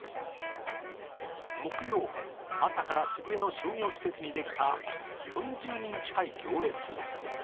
木曜、朝から渋谷の商業施設にできた４０人近い行列。